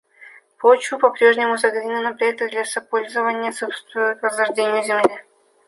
Почвы по-прежнему загрязнены, но проекты лесопользования способствуют возрождению земли.